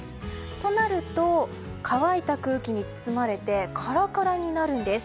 となると乾いた空気に包まれてカラカラになるんです。